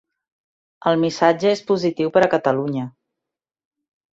El missatge és positiu per a Catalunya.